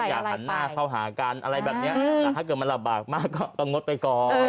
หันหน้าเข้าหากันอะไรแบบนี้แต่ถ้าเกิดมันลำบากมากก็งดไปก่อน